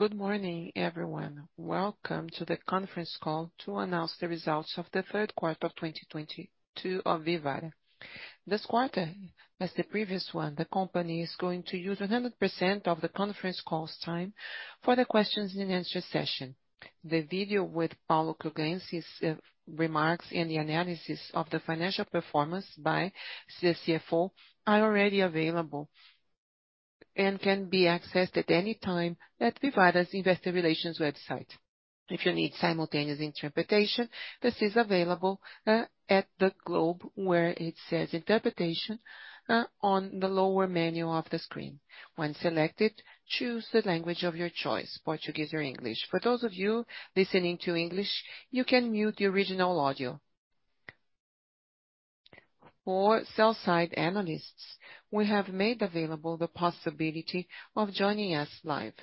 Good morning, everyone. Welcome to the conference call to announce the results of the third quarter of 2022 of Vivara. This quarter, as the previous one, the company is going to use 100% of the conference call's time for the questions and answer session. The video with Paulo Kruglensky's remarks and the analysis of the financial performance by the CFO are already available and can be accessed at any time at Vivara's Investor Relations website. If you need simultaneous interpretation, this is available at the globe where it says interpretation on the lower menu of the screen. When selected, choose the language of your choice, Portuguese or English. For those of you listening to English, you can mute the original audio. For sell-side analysts, we have made available the possibility of joining us live.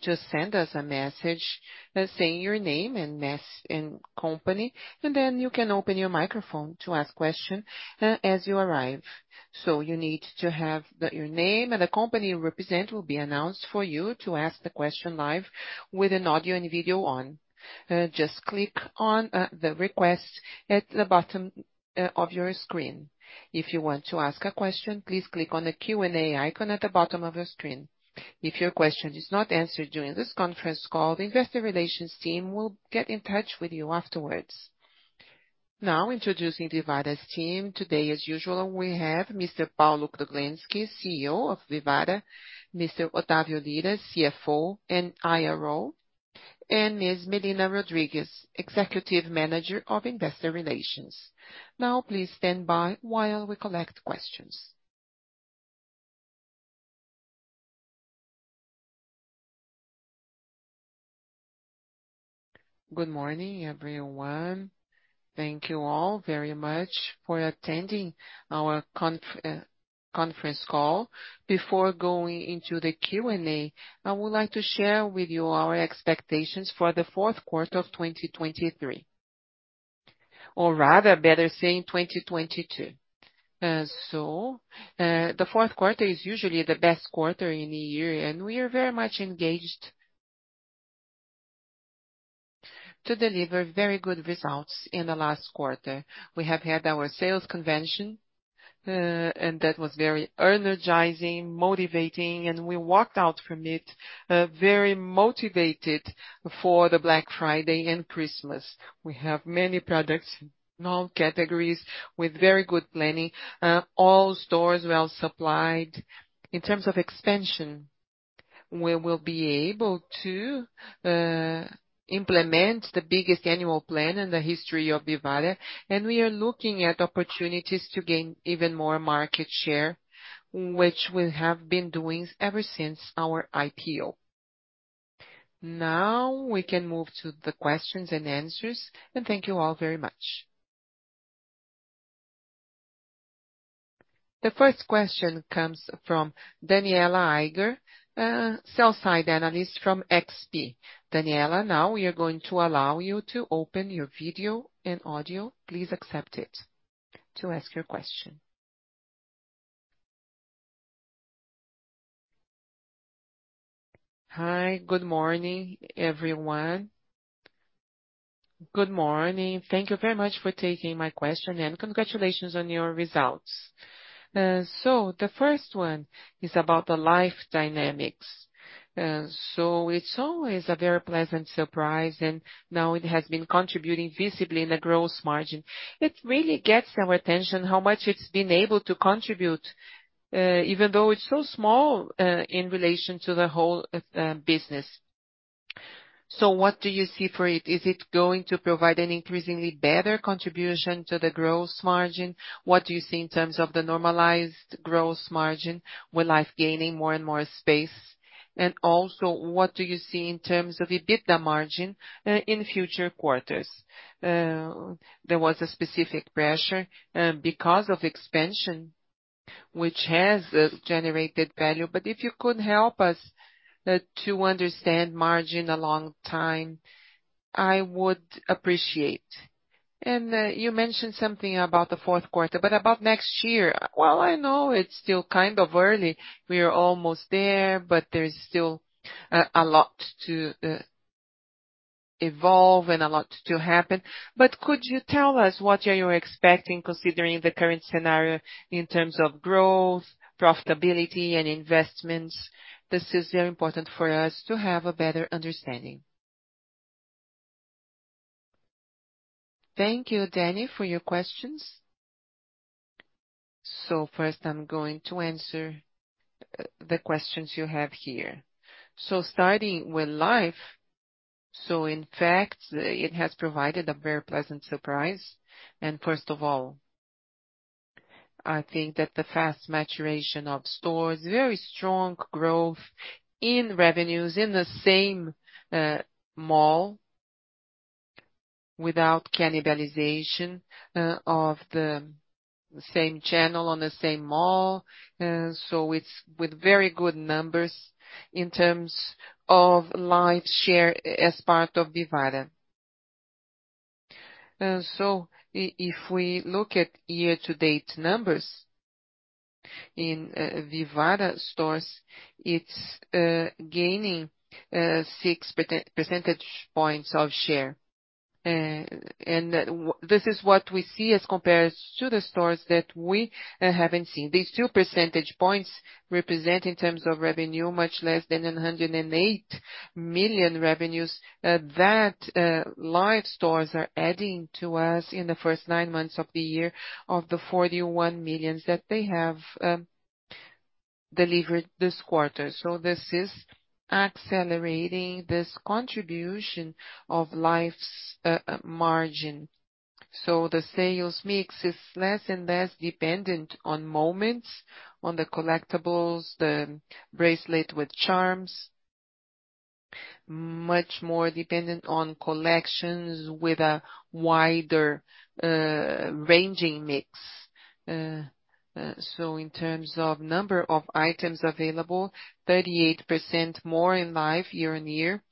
Just send us a message, let's say your name and company, and then you can open your microphone to ask question, as you arrive. You need to have your name and the company you represent will be announced for you to ask the question live with audio and video on. Just click on the request at the bottom of your screen. If you want to ask a question, please click on the Q&A icon at the bottom of your screen. If your question is not answered during this conference call, the Investor Relations team will get in touch with you afterwards. Now introducing Vivara's team. Today, as usual, we have Mr. Paulo Kruglensky, CEO of Vivara, Mr. Otávio Lyra, CFO and IRO, and Ms. Melina Rodrigues, Executive Manager of Investor Relations. Now please stand by while we collect questions. Good morning, everyone. Thank you all very much for attending our conference call. Before going into the Q&A, I would like to share with you our expectations for the fourth quarter of 2023. Or rather, better say in 2022. The fourth quarter is usually the best quarter in a year, and we are very much engaged to deliver very good results in the last quarter. We have had our sales convention, and that was very energizing, motivating, and we walked out from it, very motivated for the Black Friday and Christmas. We have many products, new categories with very good planning, all stores well supplied. In terms of expansion, we will be able to implement the biggest annual plan in the history of Vivara, and we are looking at opportunities to gain even more market share, which we have been doing ever since our IPO. Now we can move to the questions and answers, and thank you all very much. The first question comes from Danniela Eiger, sell-side Analyst from XP. Danniela, now we are going to allow you to open your video and audio. Please accept it to ask your question. Hi, good morning, everyone. Good morning. Thank you very much for taking my question, and congratulations on your results. So the first one is about the Life dynamics. So it's always a very pleasant surprise, and now it has been contributing visibly in the growth margin. It really gets our attention how much it's been able to contribute, even though it's so small, in relation to the whole business. What do you see for it? Is it going to provide an increasingly better contribution to the gross margin? What do you see in terms of the normalized gross margin with Life gaining more and more space? What do you see in terms of EBITDA margin in future quarters? There was a specific pressure because of expansion, which has generated value. If you could help us to understand margins long term, I would appreciate. You mentioned something about the fourth quarter, but about next year. While I know it's still kind of early, we are almost there, but there is still a lot to evolve and a lot to happen. Could you tell us what are you expecting considering the current scenario in terms of growth, profitability and investments? This is very important for us to have a better understanding. Thank you, Danniela, for your questions. First I'm going to answer the questions you have here. Starting with Life. In fact, it has provided a very pleasant surprise. First of all, I think that the fast maturation of stores, very strong growth in revenues in the same mall without cannibalization of the same channel on the same mall. It's with very good numbers in terms of Life's share as part of Vivara. If we look at year-to-date numbers in Vivara stores, it's gaining six percentage points of share. This is what we see as compared to the stores that we haven't seen. These 2 percentage points represent in terms of revenue much less than 108 million revenues that Life stores are adding to us in the first nine months of the year of the 41 million that they have delivered this quarter. This is accelerating this contribution of Life's margin. The sales mix is less and less dependent on moments, on the collectibles, the bracelet with charms, much more dependent on collections with a wider ranging mix. In terms of number of items available, 38% more in Life year-on-year,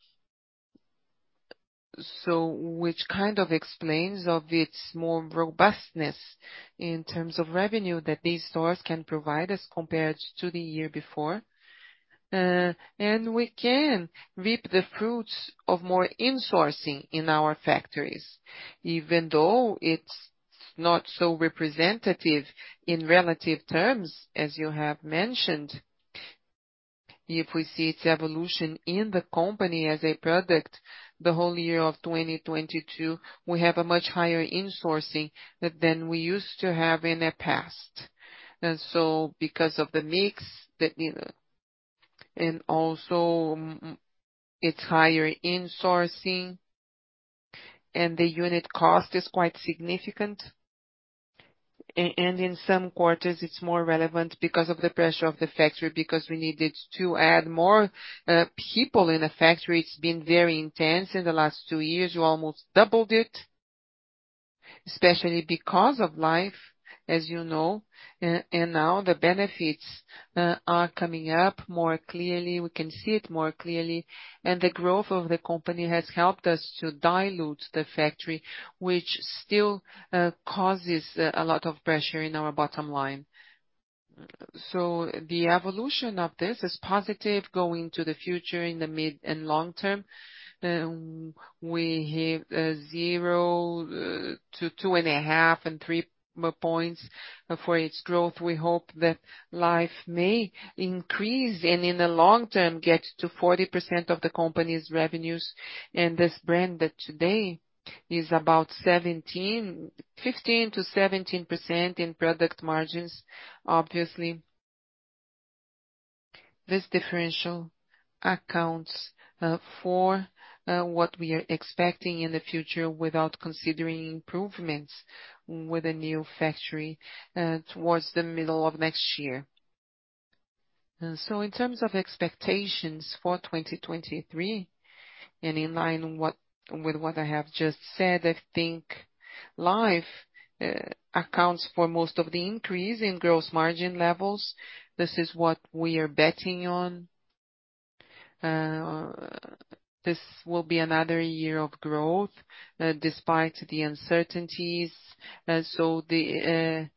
which kind of explains its more robustness in terms of revenue that these stores can provide as compared to the year before. We can reap the fruits of more insourcing in our factories, even though it's not so representative in relative terms, as you have mentioned. If we see its evolution in the company as a product, the whole year of 2022, we have a much higher insourcing than we used to have in the past. Because of the mix that, you know, and also it's higher insourcing, and the unit cost is quite significant. In some quarters, it's more relevant because of the pressure of the factory, because we needed to add more people in the factory. It's been very intense in the last two years. You almost doubled it, especially because of Life, as you know, and now the benefits are coming up more clearly, we can see it more clearly. The growth of the company has helped us to dilute the factory, which still causes a lot of pressure in our bottom line. The evolution of this is positive going to the future in the mid and long term. We have zero to 2.5 and three more points for its growth. We hope that Life may increase, and in the long term, get to 40% of the company's revenues. This brand that today is about 15%-17% in product margins. Obviously, this differential accounts for what we are expecting in the future without considering improvements with a new factory toward the middle of next year. In terms of expectations for 2023 and in line with what I have just said, I think Life accounts for most of the increase in gross margin levels. This is what we are betting on. This will be another year of growth despite the uncertainties. The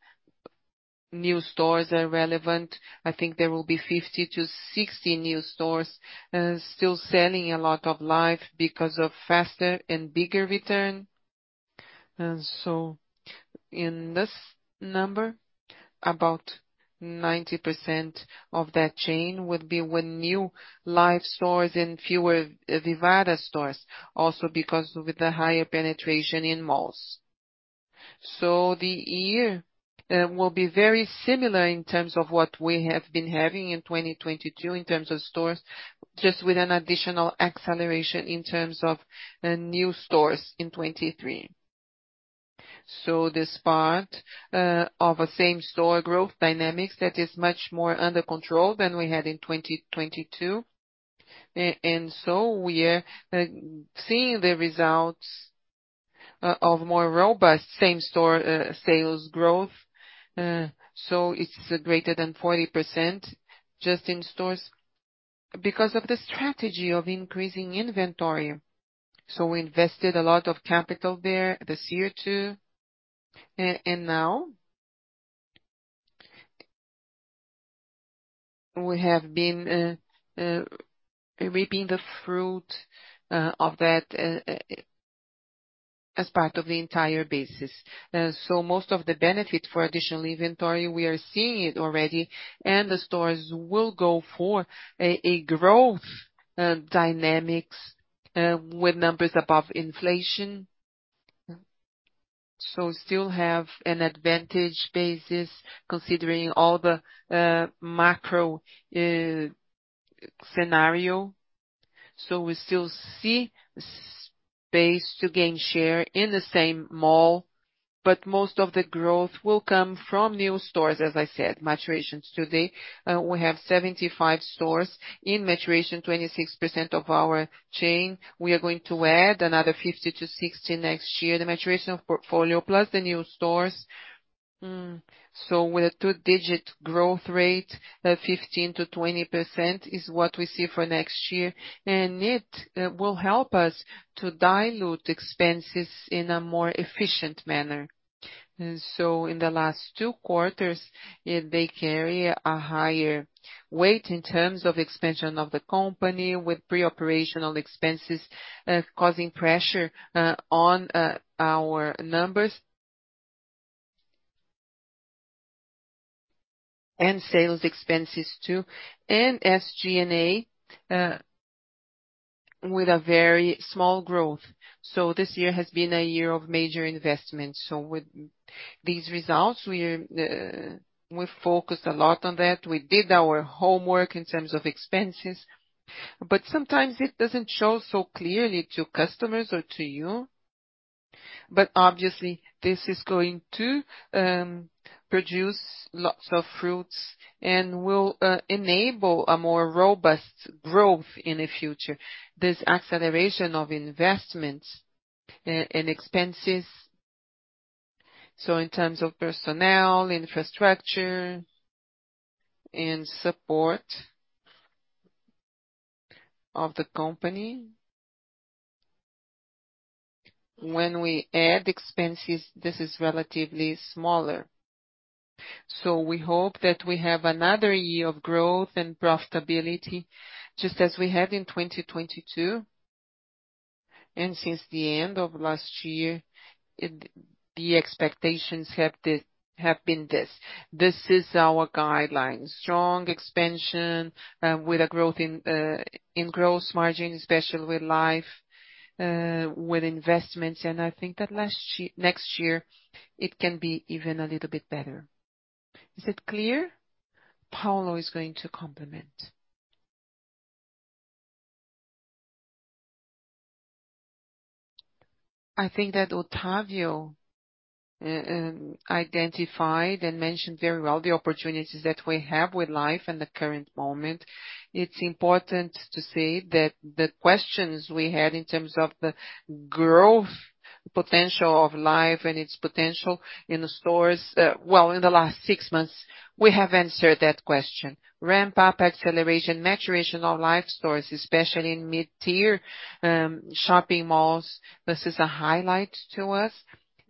new stores are relevant. I think there will be 50-60 new stores still selling a lot of Life because of faster and bigger return. In this number, about 90% of that chain would be with new Life stores and fewer Vivara stores also because with the higher penetration in malls. The year will be very similar in terms of what we have been having in 2022 in terms of stores, just with an additional acceleration in terms of new stores in 2023. This part of a same-store growth dynamics that is much more under control than we had in 2022. We are seeing the results of more robust same-store sales growth. It's greater than 40% just in stores because of the strategy of increasing inventory. We invested a lot of capital there this year too. Now we have been reaping the fruit of that as part of the entire basis. Most of the benefit for additional inventory, we are seeing it already, and the stores will go for a growth dynamics with numbers above inflation. Still have an advantage basis considering all the macro scenario. We still see space to gain share in the same mall, but most of the growth will come from new stores, as I said, maturations. Today, we have 75 stores in maturation, 26% of our chain. We are going to add another 50-60 next year. The maturation of portfolio plus the new stores. With a two-digit growth rate, 15%-20% is what we see for next year. It will help us to dilute expenses in a more efficient manner. In the last two quarters, they carry a higher weight in terms of expansion of the company with pre-operational expenses, causing pressure on our numbers. Sales expenses too, and SG&A, with a very small growth. This year has been a year of major investments. With these results, we've focused a lot on that. We did our homework in terms of expenses, but sometimes it doesn't show so clearly to customers or to you. Obviously this is going to bear fruit and will enable a more robust growth in the future, this acceleration of investments and expenses. In terms of personnel, infrastructure and support of the company. When we add expenses, this is relatively smaller. We hope that we have another year of growth and profitability, just as we had in 2022. Since the end of last year, the expectations have been this. This is our guideline. Strong expansion with a growth in gross margin, especially with Life, with investments. I think that next year, it can be even a little bit better. Is it clear? Paulo is going to complement. I think that Otávio identified and mentioned very well the opportunities that we have with Life in the current moment. It's important to say that the questions we had in terms of the growth potential of Life and its potential in the stores, in the last six months, we have answered that question. Ramp-up, acceleration, maturation of Life stores, especially in mid-tier shopping malls. This is a highlight to us.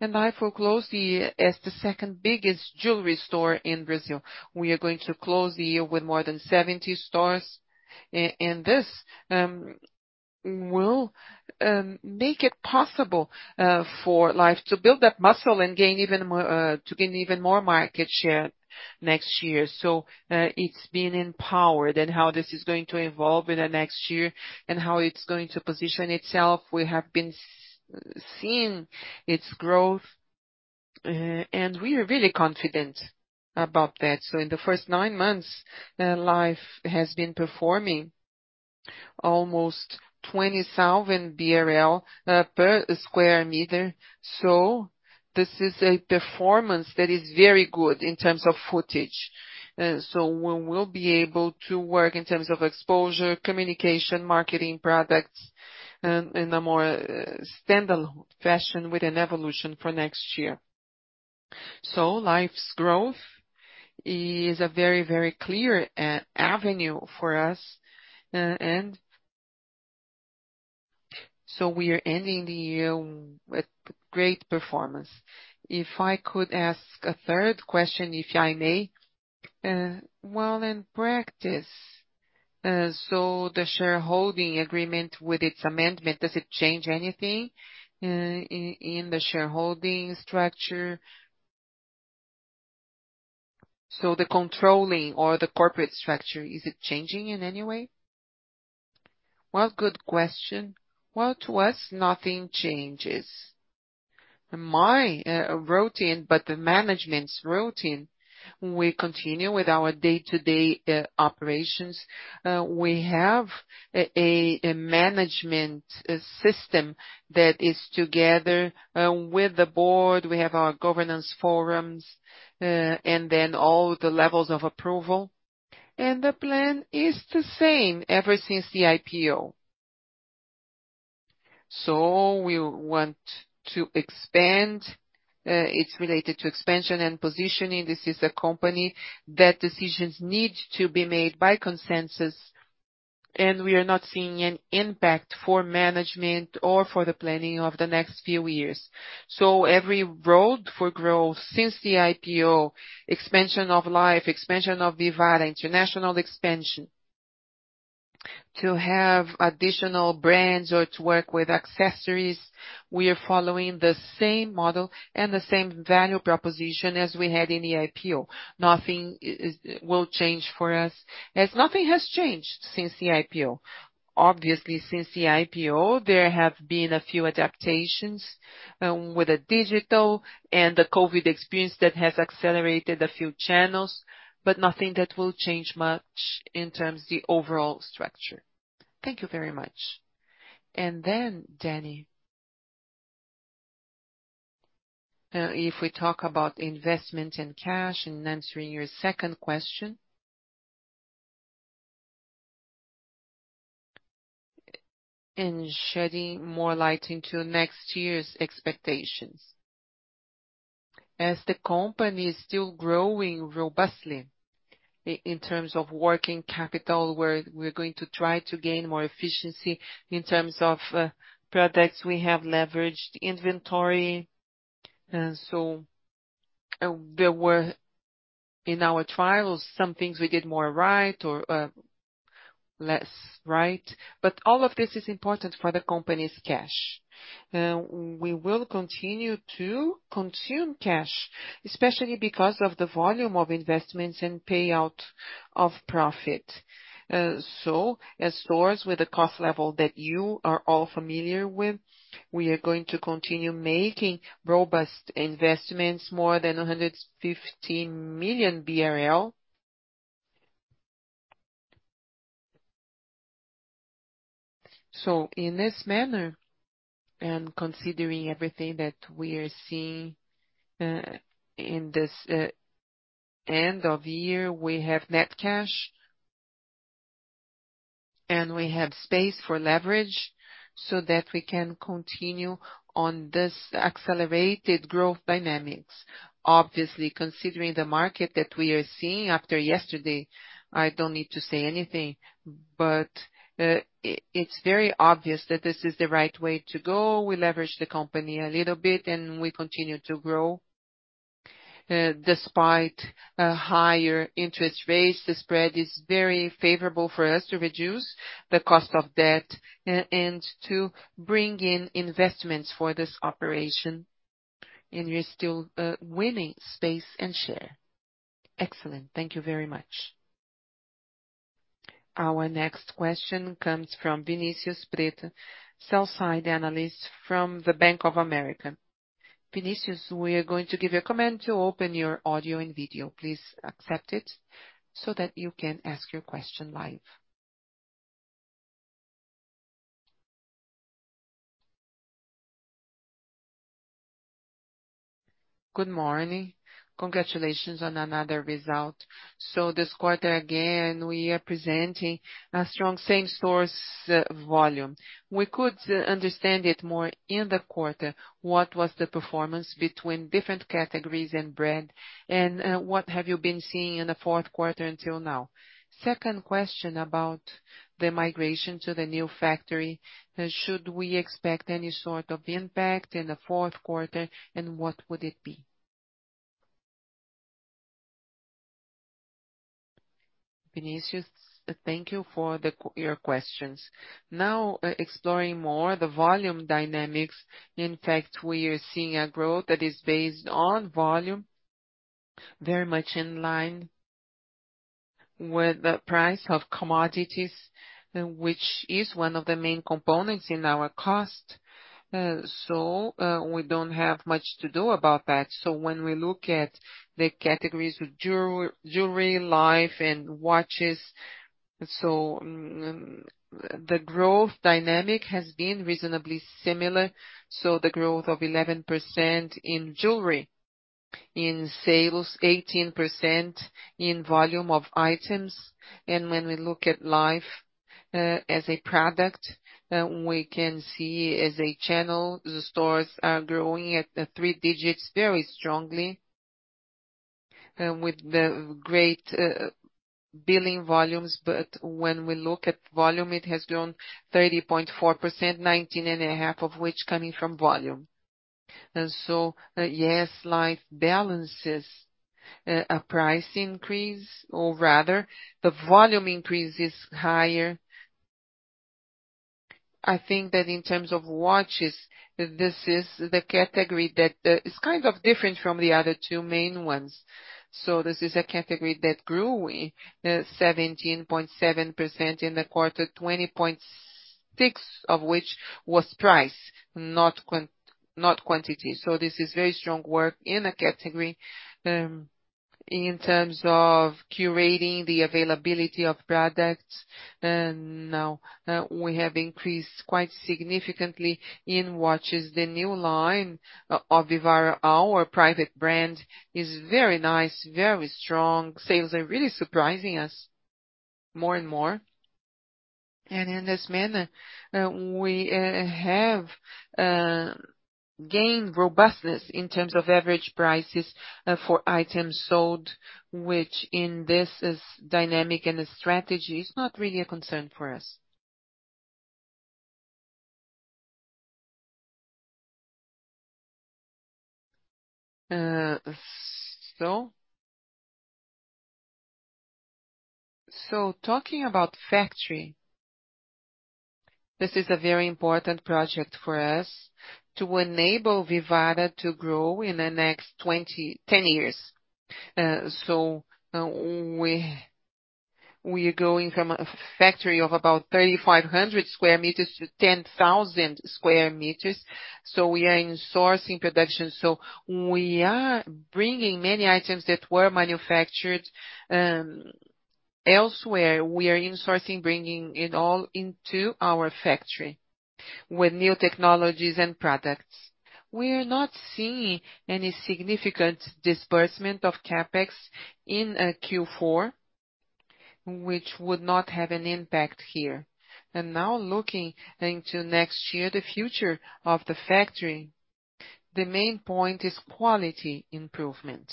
Life will close the year as the second biggest jewelry store in Brazil. We are going to close the year with more than 70 stores. This will make it possible for Life to build up muscle and gain even more market share next year. It's been empowered. How this is going to evolve in the next year and how it's going to position itself, we have been seeing its growth, and we are really confident about that. In the first nine months, Life has been performing almost 20,000 BRL per square meter. This is a performance that is very good in terms of square footage. We will be able to work in terms of exposure, communication, marketing products, in a more standalone fashion with an evolution for next year. Life's growth is a very, very clear avenue for us. We are ending the year with great performance. If I could ask a third question, if I may. Well, in practice, so the shareholding agreement with its amendment, does it change anything, in the shareholding structure? The controlling or the corporate structure, is it changing in any way? Well, good question. Well, to us, nothing changes. My routine, but the management's routine, we continue with our day-to-day operations. We have a management system that is together with the board. We have our governance forums, and then all the levels of approval. The plan is the same ever since the IPO. We want to expand. It's related to expansion and positioning. This is a company that decisions need to be made by consensus, and we are not seeing an impact for management or for the planning of the next few years. Every road for growth since the IPO, expansion of Life, expansion of Vivara, international expansion. To have additional brands or to work with accessories, we are following the same model and the same value proposition as we had in the IPO. Nothing will change for us, as nothing has changed since the IPO. Obviously, since the IPO, there have been a few adaptations with the digital and the COVID experience that has accelerated a few channels, but nothing that will change much in terms of the overall structure. Thank you very much. Then Danniela. If we talk about investment and cash in answering your second question and shedding more light into next year's expectations. As the company is still growing robustly in terms of working capital, where we're going to try to gain more efficiency in terms of products, we have leveraged inventory. There were, in our trials, some things we did more right or less right. All of this is important for the company's cash. We will continue to consume cash, especially because of the volume of investments and payout of profit. As stores with the cost level that you are all familiar with, we are going to continue making robust investments, more than 115 million BRL. In this manner, and considering everything that we are seeing, in this end of year, we have net cash and we have space for leverage so that we can continue on this accelerated growth dynamics. Obviously, considering the market that we are seeing after yesterday, I don't need to say anything, but it's very obvious that this is the right way to go. We leverage the company a little bit and we continue to grow. Despite a higher interest rates, the spread is very favorable for us to reduce the cost of debt and to bring in investments for this operation. We're still winning space and share. Excellent. Thank you very much. Our next question comes from Vinícius Strano, sell-side analyst from Bank of America. Vinicius, we are going to give you a command to open your audio and video. Please accept it so that you can ask your question live. Good morning. Congratulations on another result. This quarter, again, we are presenting a strong same-store sales volume. We could understand it more in the quarter. What was the performance between different categories and brand, and what have you been seeing in the fourth quarter until now? Second question about the migration to the new factory. Should we expect any sort of impact in the fourth quarter, and what would it be? Vinicius, thank you for your questions. Now, exploring more the volume dynamics. In fact, we are seeing a growth that is based on volume, very much in line with the price of commodities, which is one of the main components in our cost. We don't have much to do about that. When we look at the categories of jewelry, Life and watches. The growth dynamic has been reasonably similar. The growth of 11% in jewelry in sales, 18% in volume of items. When we look at Life, as a product, we can see as a channel, the stores are growing at three digits very strongly, with the great billing volumes. When we look at volume, it has grown 30.4%, 19.5% of which coming from volume. Yes, Life balances a price increase, or rather the volume increase is higher. I think that in terms of watches, this is the category that is kind of different from the other two main ones. This is a category that grew 17.7% in the quarter, 20.6% of which was price, not quantity. This is very strong work in a category in terms of curating the availability of products. Now we have increased quite significantly in watches. The new line of Vivara, our private brand, is very nice, very strong. Sales are really surprising us more and more. In this manner, we have gained robustness in terms of average prices for items sold, which in this is dynamic, and the strategy is not really a concern for us. Talking about factory, this is a very important project for us to enable Vivara to grow in the next 10 years. We are going from a factory of about 3,500 sq m to 10,000 sq m We are insourcing production. We are bringing many items that were manufactured elsewhere. We are insourcing, bringing it all into our factory with new technologies and products. We are not seeing any significant disbursement of CapEx in Q4, which would not have an impact here. Now looking into next year, the future of the factory, the main point is quality improvement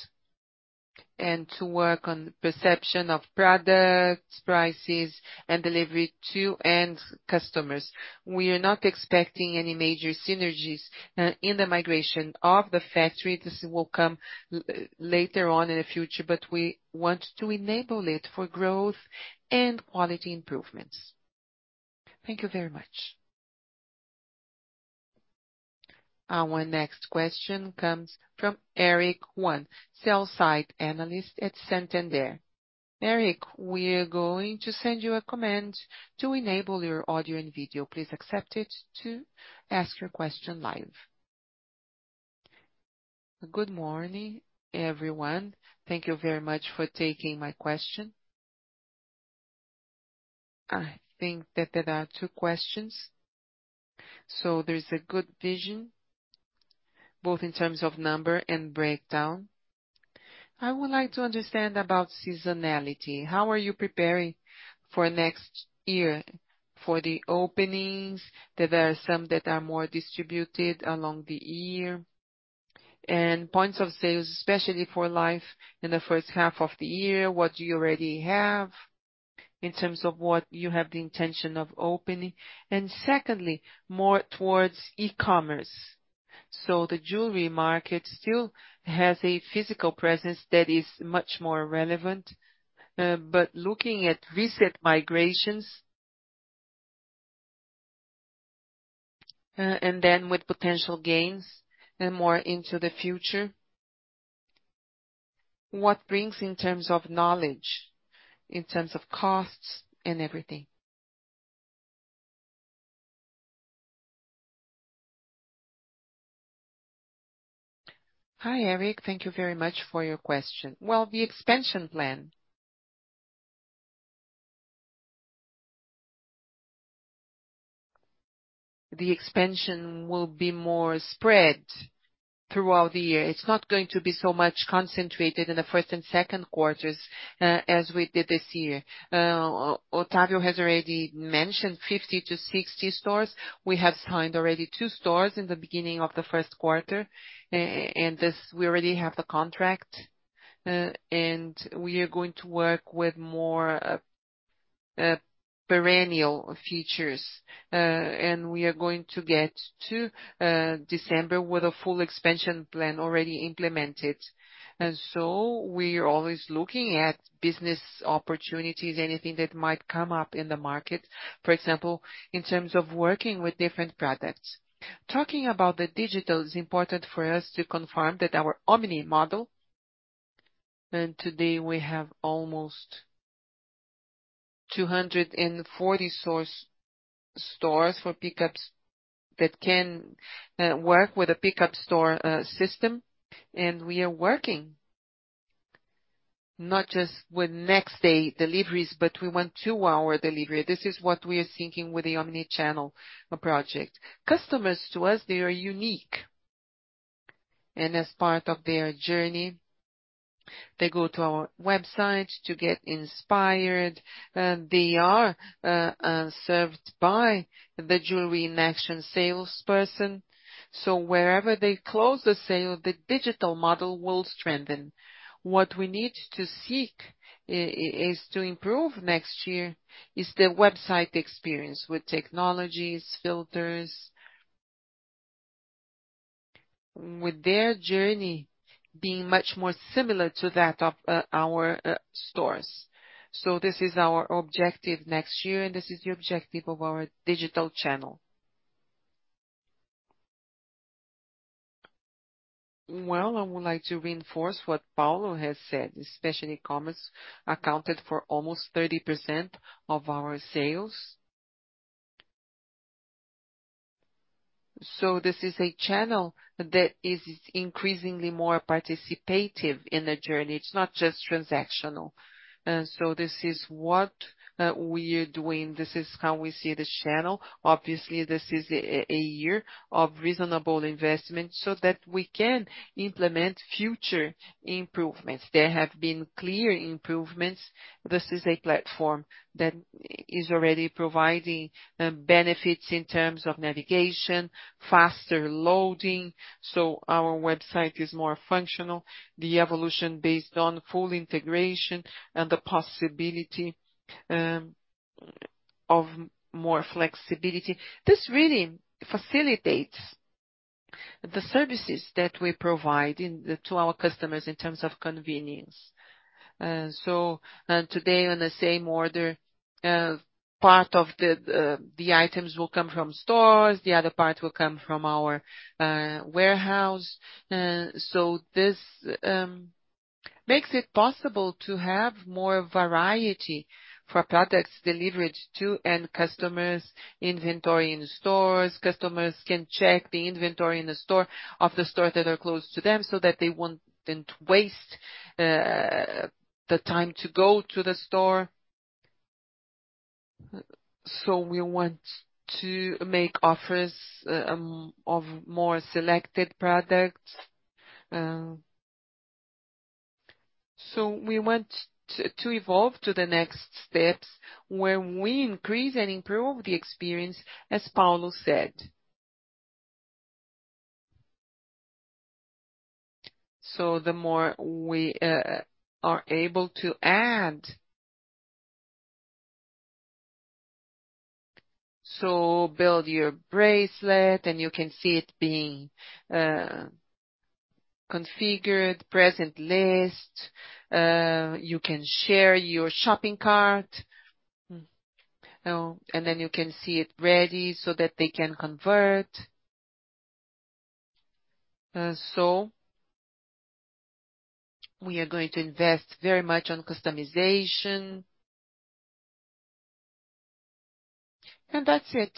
and to work on perception of products, prices, and delivery to end customers. We are not expecting any major synergies in the migration of the factory. This will come later on in the future, but we want to enable it for growth and quality improvements. Thank you very much. Our next question comes from Eric Huang, sell-side analyst at Santander. Eric, we are going to send you a command to enable your audio and video. Please accept it to ask your question live. Good morning, everyone. Thank you very much for taking my question. I think that there are two questions. There's a good vision, both in terms of number and breakdown. I would like to understand about seasonality. How are you preparing for next year for the openings? There are some that are more distributed along the year. Points of sale, especially for Life in the first half of the year, what do you already have in terms of what you have the intention of opening? Secondly, more towards e-commerce. The jewelry market still has a physical presence that is much more relevant. Looking at recent migrations, and then with potential gains and more into the future, what brings in terms of knowledge, in terms of costs and everything? Hi, Eric. Thank you very much for your question. Well, the expansion plan. The expansion will be more spread throughout the year. It's not going to be so much concentrated in the first and second quarters as we did this year. Otávio has already mentioned 50-60 stores. We have signed already two stores in the beginning of the first quarter. This, we already have the contract, and we are going to work with more perennial features. We are going to get to December with a full expansion plan already implemented. We are always looking at business opportunities, anything that might come up in the market. For example, in terms of working with different products. Talking about the digital, it's important for us to confirm that our omnichannel model, and today we have almost 240 stores for pickups that can work with a pickup store system. We are working not just with next day deliveries, but we want two-hour delivery. This is what we are thinking with the omnichannel project. Customers to us, they are unique. As part of their journey, they go to our website to get inspired. They are served by the joalheria em ação salesperson. Wherever they close the sale, the digital model will strengthen. What we need to seek is to improve next year is the website experience with technologies, filters. With their journey being much more similar to that of our stores. This is our objective next year, and this is the objective of our digital channel. I would like to reinforce what Paulo has said, especially e-commerce accounted for almost 30% of our sales. This is a channel that is increasingly more participative in the journey. It's not just transactional. This is what we are doing. This is how we see this channel. Obviously, this is a year of reasonable investment so that we can implement future improvements. There have been clear improvements. This is a platform that is already providing benefits in terms of navigation, faster loading, so our website is more functional. The evolution based on full integration and the possibility of more flexibility. This really facilitates the services that we provide to our customers in terms of convenience. Today, on the same order, part of the items will come from stores, the other part will come from our warehouse. This makes it possible to have more variety for products delivered to end customers, inventory in stores. Customers can check the inventory in the store of the store that are close to them, so that they won't then waste the time to go to the store. We want to make offers of more selected products. We want to evolve to the next steps where we increase and improve the experience, as Paulo said. The more we are able to add. Build your bracelet and you can see it being configured, wishlist. You can share your shopping cart. Then you can see it ready so that they can convert. We are going to invest very much on customization. That's it.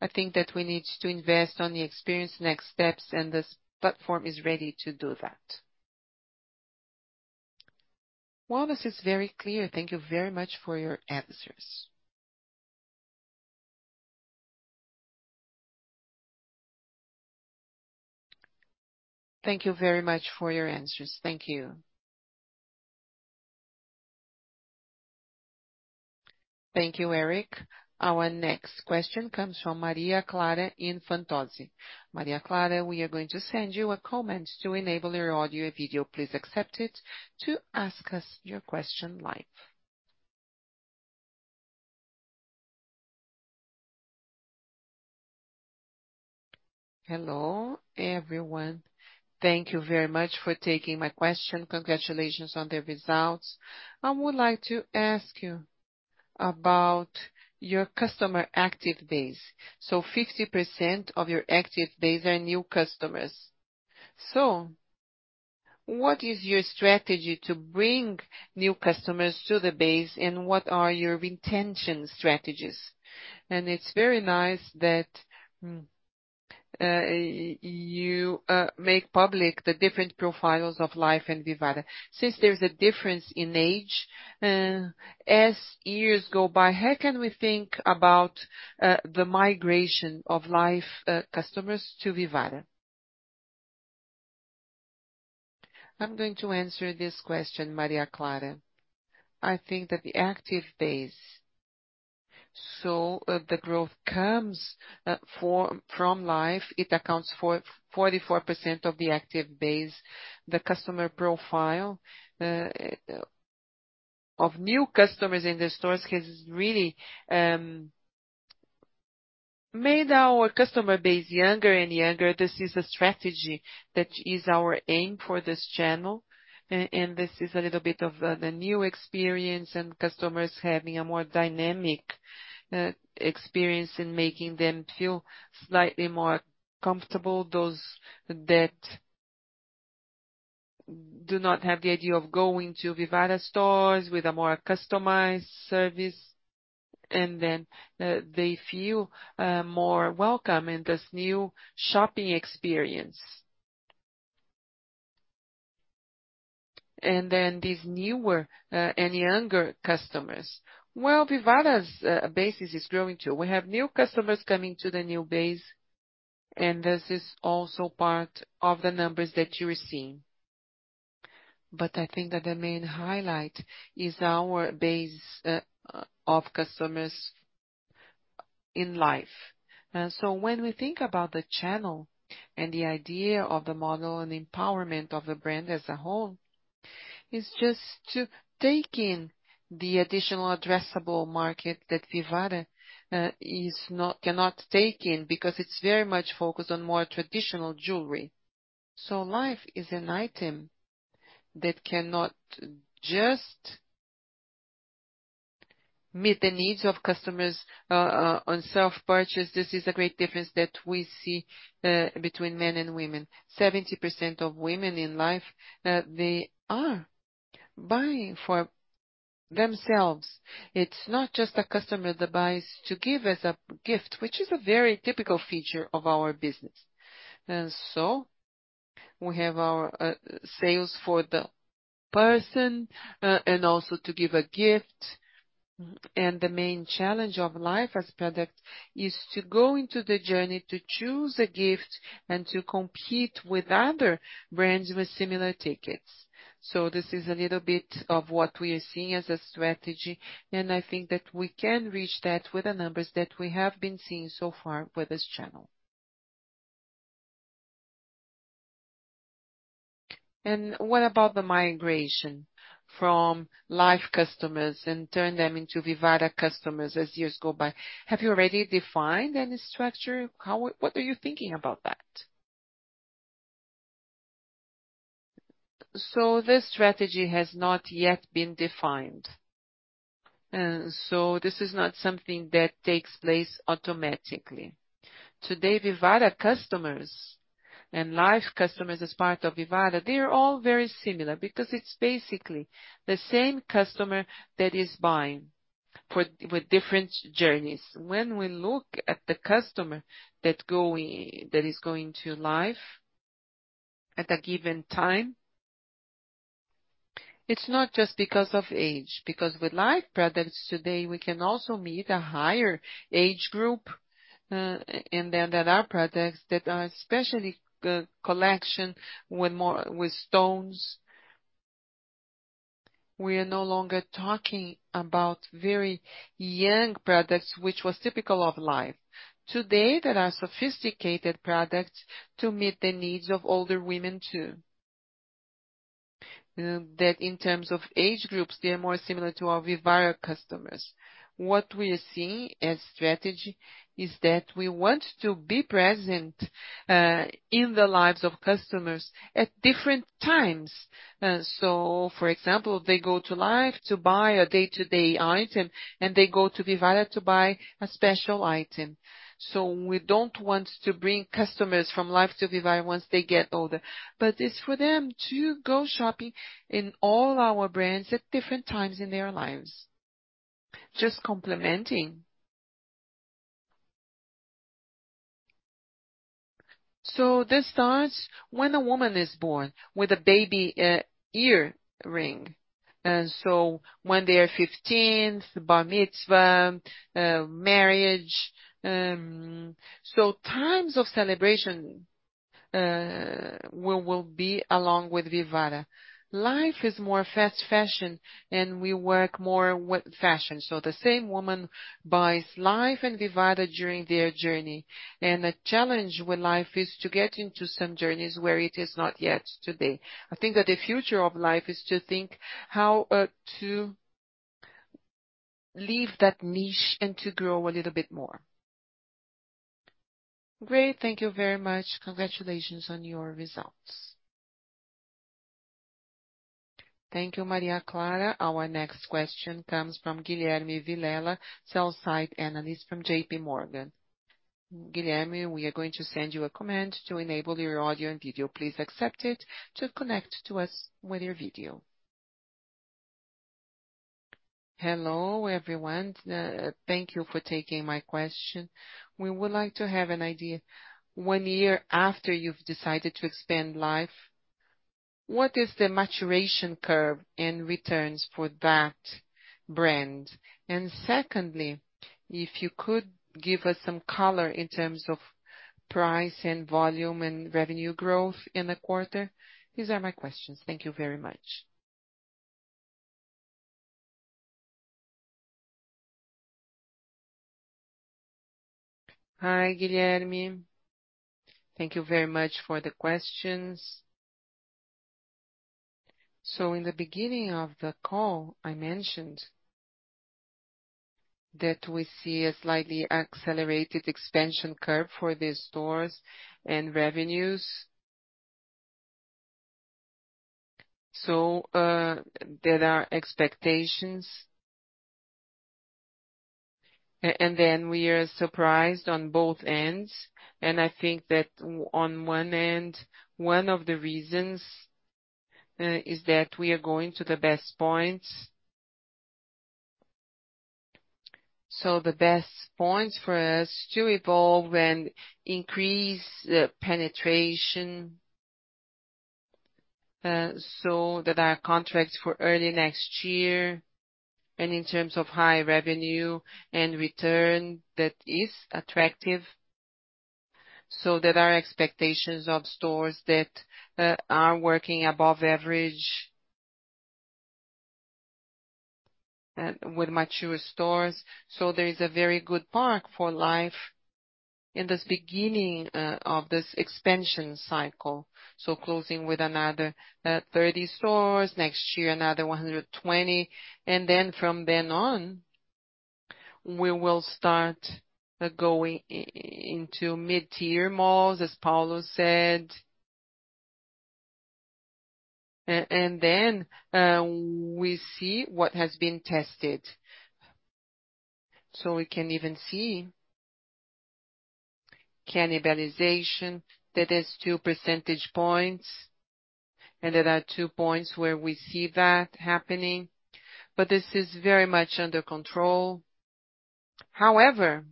I think that we need to invest on the experience next steps, and this platform is ready to do that. Well, this is very clear. Thank you very much for your answers. Thank you very much for your answers. Thank you. Thank you, Eric. Our next question comes from Maria Clara Infantozzi. Maria Clara, we are going to send you a comment to enable your audio and video. Please accept it to ask us your question live. Hello, everyone. Thank you very much for taking my question. Congratulations on the results. I would like to ask you about your customer active base. 50% of your active base are new customers. What is your strategy to bring new customers to the base, and what are your retention strategies? It's very nice that you make public the different profiles of Life and Vivara. Since there's a difference in age as years go by, how can we think about the migration of Life customers to Vivara? I'm going to answer this question, Maria Clara. I think that the active base, so the growth comes from Life. It accounts for 44% of the active base. The customer profile of new customers in the stores has really made our customer base younger and younger. This is a strategy that is our aim for this channel. This is a little bit of the new experience and customers having a more dynamic experience in making them feel slightly more comfortable. Those that do not have the idea of going to Vivara stores with a more customized service, and then they feel more welcome in this new shopping experience. These newer and younger customers. Well, Vivara's bases is growing too. We have new customers coming to the new base, and this is also part of the numbers that you're seeing. I think that the main highlight is our base of customers in Life. When we think about the channel and the idea of the model and empowerment of the brand as a whole, is just to take in the additional addressable market that Vivara cannot take in because it's very much focused on more traditional jewelry. Life is an item that cannot just meet the needs of customers on self-purchase. This is a great difference that we see between men and women. 70% of women in Life, they are buying for themselves. It's not just a customer that buys to give as a gift, which is a very typical feature of our business. We have our sales for the person and also to give a gift. The main challenge of Life as product is to go into the journey to choose a gift and to compete with other brands with similar tickets. This is a little bit of what we are seeing as a strategy, and I think that we can reach that with the numbers that we have been seeing so far with this channel. What about the migration from Life customers and turn them into Vivara customers as years go by? Have you already defined any structure? What are you thinking about that? This strategy has not yet been defined. This is not something that takes place automatically. Today, Vivara customers and Life customers as part of Vivara, they are all very similar because it's basically the same customer that is buying with different journeys. When we look at the customer that is going to Life at a given time. It's not just because of age, because with Life products today, we can also meet a higher age group, and then there are products that are especially the collection with stones. We are no longer talking about very young products, which was typical of Life. Today, there are sophisticated products to meet the needs of older women, too. That in terms of age groups, they are more similar to our Vivara customers. What we are seeing as strategy is that we want to be present in the lives of customers at different times. For example, they go to Life to buy a day-to-day item, and they go to Vivara to buy a special item. We don't want to bring customers from Life to Vivara once they get older, but it's for them to go shopping in all our brands at different times in their lives. Just complementing. This starts when a woman is born with a baby earring. When they are 15, bar mitzvah, marriage. Times of celebration, we will be along with Vivara. Life is more fast fashion, and we work more with fashion. The same woman buys Life and Vivara during their journey. The challenge with Life is to get into some journeys where it is not yet today. I think that the future of Life is to think how to leave that niche and to grow a little bit more. Great. Thank you very much. Congratulations on your results. Thank you, Maria Clara. Our next question comes from Guilherme Vilela, sell-side analyst from JPMorgan. Guilherme, we are going to send you a command to enable your audio and video. Please accept it to connect to us with your video. Hello, everyone. Thank you for taking my question. We would like to have an idea, one year after you've decided to expand Life, what is the maturation curve and returns for that brand? And secondly, if you could give us some color in terms of price and volume and revenue growth in the quarter. These are my questions. Thank you very much. Hi, Guilherme. Thank you very much for the questions. In the beginning of the call, I mentioned that we see a slightly accelerated expansion curve for these stores and revenues. There are expectations. And then we are surprised on both ends. I think that on one end, one of the reasons is that we are going to the best points. The best points for us to evolve and increase the penetration, so that our contracts for early next year and in terms of high revenue and return that is attractive, so that our expectations of stores that are working above average, with mature stores. There is a very good park for Life in this beginning of this expansion cycle. Closing with another 30 stores next year, another 120. Then from then on, we will start going into mid-tier malls, as Paulo said. And then we see what has been tested. We can even see cannibalization that is 2 percentage points, and there are two points where we see that happening, but this is very much under control. However,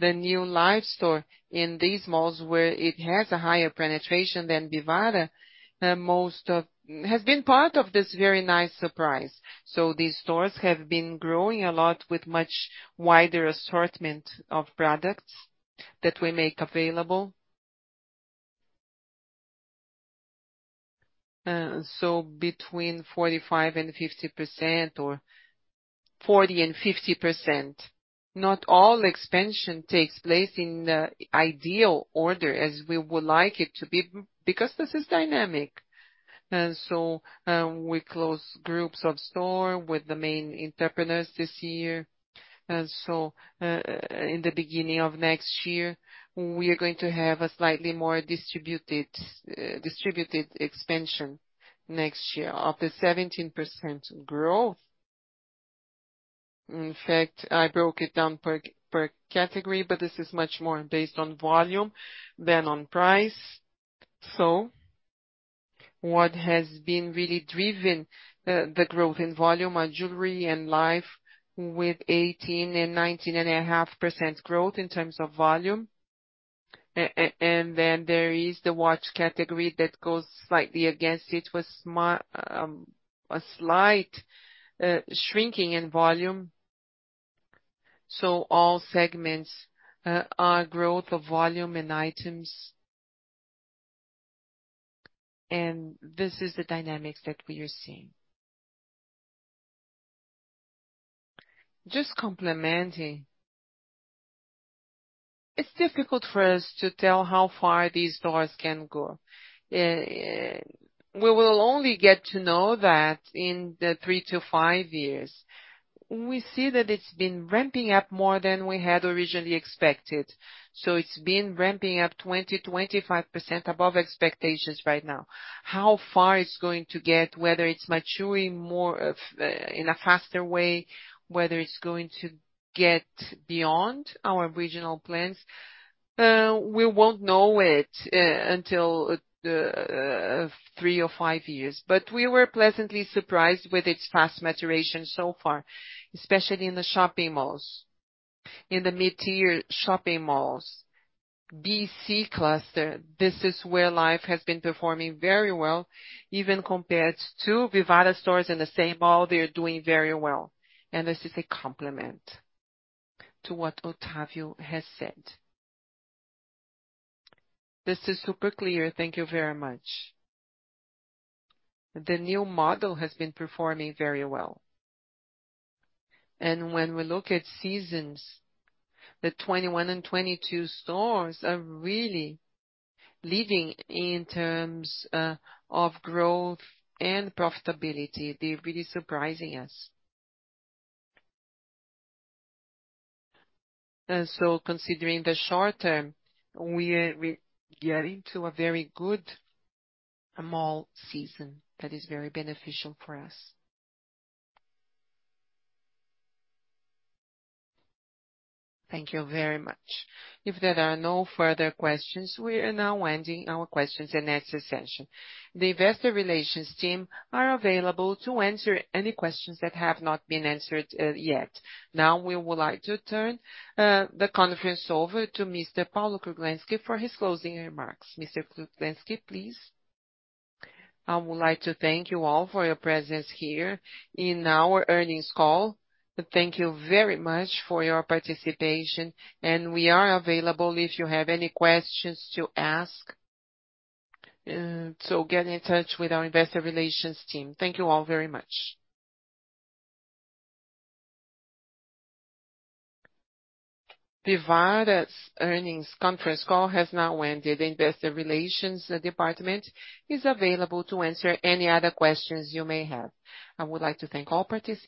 the new Life store in these malls, where it has a higher penetration than Vivara, has been part of this very nice surprise. These stores have been growing a lot with much wider assortment of products that we make available. Between 45% and 50% or 40%-50%, not all expansion takes place in the ideal order as we would like it to be because this is dynamic. We close groups of store with the main entrepreneurs this year. In the beginning of next year, we are going to have a slightly more distributed expansion next year of the 17% growth. In fact, I broke it down per category, but this is much more based on volume than on price. What has been really driving the growth in volume are jewelry and Life with 18% and 19.5% growth in terms of volume. And then there is the watch category that goes slightly against it with a slight shrinking in volume. All segments are growth of volume and items. This is the dynamics that we are seeing. Just complementing. It's difficult for us to tell how far these stores can go. We will only get to know that in the three to five years. We see that it's been ramping up more than we had originally expected. It's been ramping up 20%-25% above expectations right now. How far it's going to get, whether it's maturing more of in a faster way, whether it's going to get beyond our regional plans, we won't know it until three or five years. We were pleasantly surprised with its fast maturation so far, especially in the shopping malls, in the mid-tier shopping malls. BC cluster, this is where life has been performing very well, even compared to Vivara stores in the same mall, they're doing very well. This is a complement to what Otávio has said. This is super clear. Thank you very much. The new model has been performing very well. When we look at stores, the 2021 and 2022 stores are really leading in terms of growth and profitability. They're really surprising us. Considering the short term, we're getting to a very good mall season that is very beneficial for us. Thank you very much. If there are no further questions, we are now ending our Q&A session. The investor relations team are available to answer any questions that have not been answered yet. Now, we would like to turn the conference over to Mr. Paulo Kruglensky for his closing remarks. Mr. Kruglensky, please. I would like to thank you all for your presence here in our earnings call. Thank you very much for your participation, and we are available if you have any questions to ask. Get in touch with our Investor Relations team. Thank you all very much. Vivara's earnings conference call has now ended. The Investor Relations department is available to answer any other questions you may have. I would like to thank all participants.